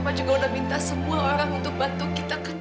bapak juga udah minta semua orang untuk bantu kita kan